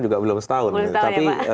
juga belum setahun tapi